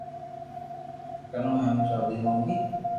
ڪنو ھيم چوندي مونگي